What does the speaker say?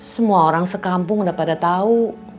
semua orang sekampung udah pada tahu